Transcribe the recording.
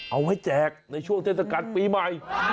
เอาไว้แจกในช่วงเทศกัณฑ์ปีใหม่